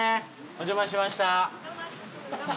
お邪魔しました。